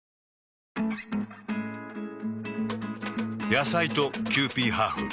野菜とキユーピーハーフ。